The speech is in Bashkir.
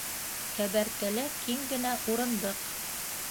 Кәбәркәлә киң генә урындыҡ.